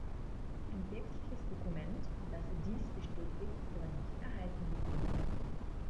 Ein päpstliches Dokument, das dies bestätigt ist aber nicht erhalten geblieben.